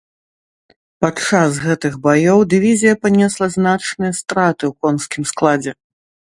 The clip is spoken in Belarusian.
Пад час гэтых баёў дывізія панесла значныя страты ў конскім складзе.